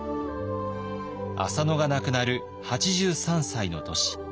浅野が亡くなる８３歳の年。